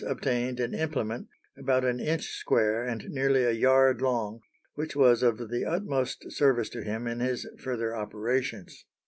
This he accomplished and thus obtained an implement about an inch square and nearly a yard long, which was of the utmost service to him in his further operations.